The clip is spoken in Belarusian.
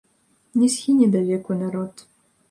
Не згіне давеку народ.